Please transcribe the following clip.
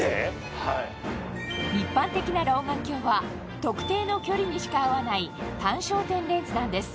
一般的な老眼鏡は特定の距離にしか合わない単焦点レンズなんです